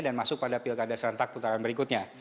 dan masuk pada pilkada serentak putaran berikutnya